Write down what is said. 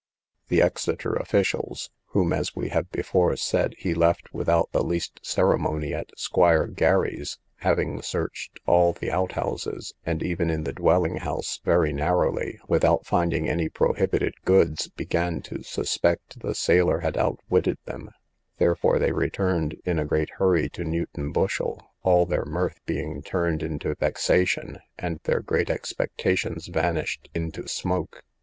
The Exeter officers (whom, as we have before said, he left without the least ceremony at Squire Gary's) having searched all the out houses, and even in the dwelling house, very narrowly, without finding any prohibited goods, began to suspect the sailor had outwitted them; therefore they returned in a great hurry to Newton Bushel, all their mirth being turned into vexation, and their great expectations vanished into smoke.